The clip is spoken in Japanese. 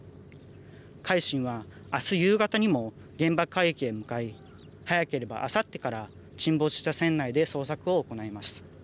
海進はあす夕方にも現場海域へ向かい早ければあさってから沈没した船内で捜索を行います。